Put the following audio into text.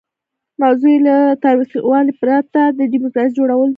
موضوع یې له تاوتریخوالي پرته د ډیموکراسۍ جوړول دي.